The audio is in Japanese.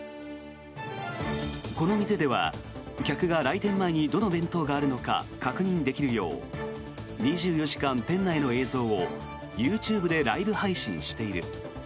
この店では、客が来店前にどの弁当があるのか確認できるよう２４時間店内の映像をＹｏｕＴｕｂｅでライブ配信している。